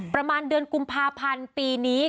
ประมาณเดือนกุมภาพันธ์ปีนี้